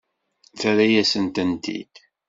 Terra-yasent-tent-id?